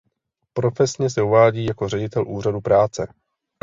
Profesně se uvádí jako ředitel Úřadu práce.